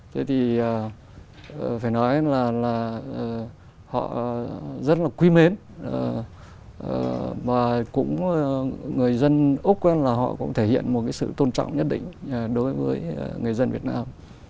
thế thì phải nói là họ rất là quý mến và cũng người dân úc là họ cũng thể hiện một cái sự tôn trọng nhất định đối với người dân việt nam